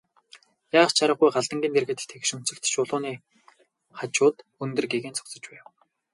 Яах аргагүй Галдангийн дэргэд тэгш өнцөгт чулууны хажууд өндөр гэгээн зогсож байв.